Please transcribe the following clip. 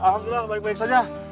alhamdulillah baik baik saja